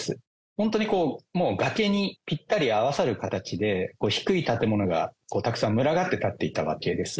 本当にもう崖にぴったり合わさる形で、低い建物がたくさん群がって建っていたわけです。